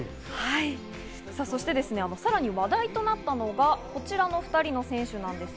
そしてさらに話題となったのがこちらの２人の選手なんです。